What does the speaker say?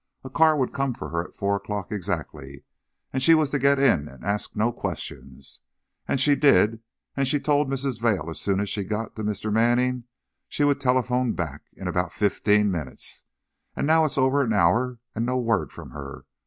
A car would come for her at four o'clock, exactly, and she was to get in and ask no questions. And she did and she told Mrs. Vail that as soon as she got to Mr. Manning she would telephone back, in about fifteen minutes. And now it's over an hour! and no word from her!